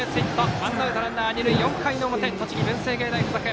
ワンアウトランナー、二塁４回の表、栃木・文星芸大付属。